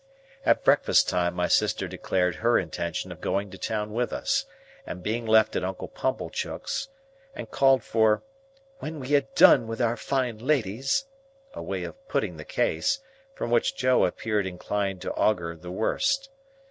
At breakfast time my sister declared her intention of going to town with us, and being left at Uncle Pumblechook's and called for "when we had done with our fine ladies"—a way of putting the case, from which Joe appeared inclined to augur the worst.